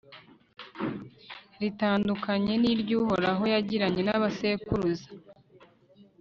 ritandukanye n'iry'uhoraho yagiranye n'abasekuruza